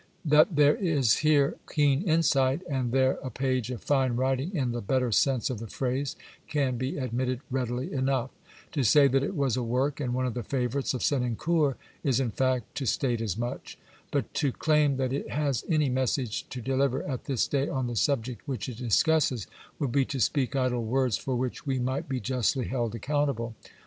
^ That there is here keen insight, and there a page of fine writing in the better sense of the phrase, can be admitted readily enough. To say that it was a work, and one of the favourites, of Senancour, is in fact to state as much. But to claim that it has any message to deliver at this day on the subject which it discusses, would be to speak idle words for which we might be justly held accountable.